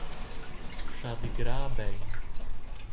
Schar digrar bein.